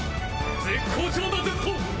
絶好調だゼット！